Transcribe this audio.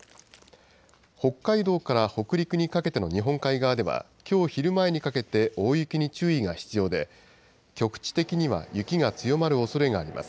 北海道から北陸にかけての日本海側では、きょう昼前にかけて大雪に注意が必要で、局地的には雪が強まるおそれがあります。